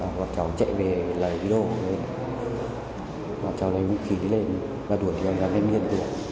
thì bọn cháu chạy về lấy đồ bọn cháu lấy mũ khí lên và đuổi bọn cháu lên miên tuổi